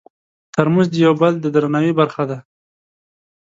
ترموز د یو بل د درناوي برخه ده.